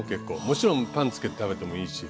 もちろんパンつけて食べてもいいし。